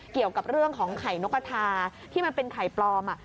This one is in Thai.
เกี่ยวกับเรื่องของไข่นกกระทาที่มันเป็นไข่ปลอม